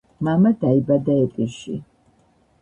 მამა დაიბადა ეპირში.